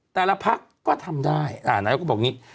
แต่ละพักก็ทำได้นายกก็บอกอย่างนี้